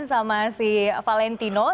tidak bisa digambarkan sama si valentino